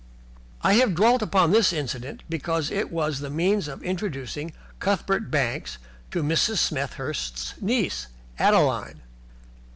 I have dwelt upon this incident, because it was the means of introducing Cuthbert Banks to Mrs. Smethurst's niece, Adeline.